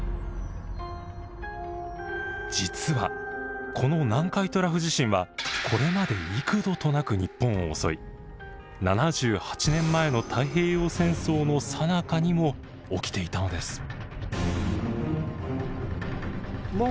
実はこの南海トラフ地震はこれまで幾度となく日本を襲い７８年前の太平洋戦争のさなかにも起きていたのです。